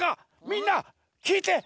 みんなきいて！